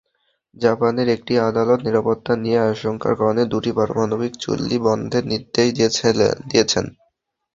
জাপানের একটি আদালত নিরাপত্তা নিয়ে আশঙ্কার কারণে দুটি পারমাণবিক চুল্লি বন্ধের নির্দেশ দিয়েছেন।